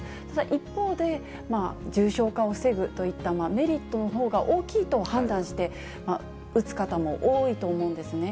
一方で、重症化を防ぐといったメリットのほうが大きいと判断して打つ方も多いと思うんですね。